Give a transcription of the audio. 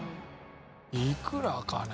いくらかね。